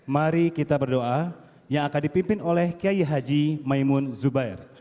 mari kita berdoa yang akan dipimpin oleh kiai haji maimun zubair